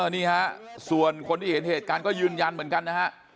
นี่ฮะส่วนคนที่เห็นเหตุการณ์ก็ยืนยันเหมือนกันนะฮะ